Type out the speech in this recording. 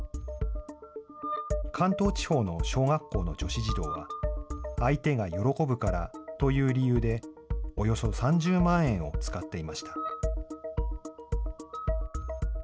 関東地方の小学校の女子児童は、相手が喜ぶからという理由で、およそ３０万円を使っていました。